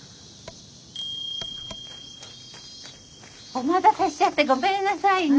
お待たせしちゃってごめんなさいね。